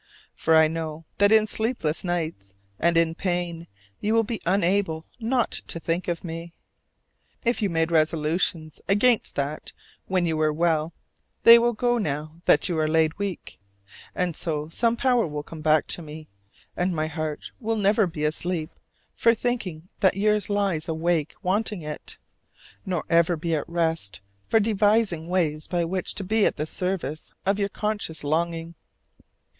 For I know that in sleepless nights and in pain you will be unable not to think of me. If you made resolutions against that when you were well, they will go now that you are laid weak; and so some power will come back to me, and my heart will never be asleep for thinking that yours lies awake wanting it: nor ever be at rest for devising ways by which to be at the service of your conscious longing.